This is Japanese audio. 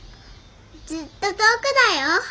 ずっと遠くだよ！